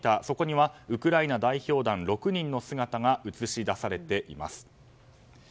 そこにはウクライナ代表団６人の姿が映し出されています。